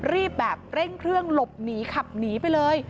รีบแบบเร่งเครื่องหลบหนีขับหนีไปเลย